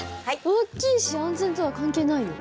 大きいし安全とは関係ないよ。